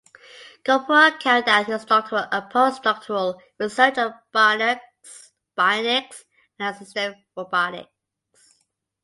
Gopura carried out his doctoral and post doctoral research on Bionics and assistive robotics.